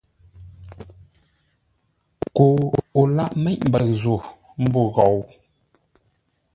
Koo o lâʼ méʼ mbəʉ zô ḿbô ghou!